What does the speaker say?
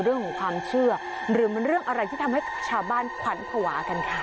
เรื่องของความเชื่อหรือมันเรื่องอะไรที่ทำให้ชาวบ้านขวัญภาวะกันค่ะ